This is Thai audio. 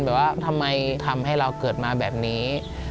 ว่าทำไมทำให้เราเกิดมาแบบนี้